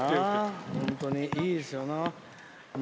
本当にいいですよな。